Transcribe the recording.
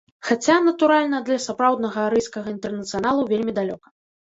Хаця, натуральна, да сапраўднага арыйскага інтэрнацыяналу вельмі далёка.